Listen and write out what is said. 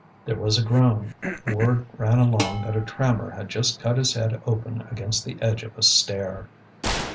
There was a groan; word ran along that a trammer had just cut his head open against the edge of a stair.